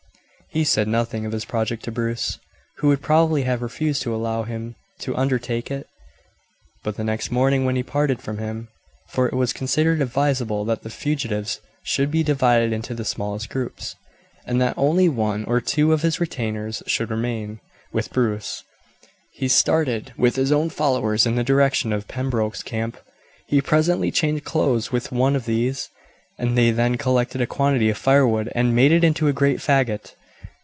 He said nothing of his project to Bruce, who would probably have refused to allow him to undertake it; but the next morning when he parted from him for it was considered advisable that the fugitives should be divided into the smallest groups, and that only one or two of his retainers should remain with Bruce he started with his own followers in the direction of Pembroke's camp. He presently changed clothes with one of these, and they then collected a quantity of firewood and made it into a great faggot.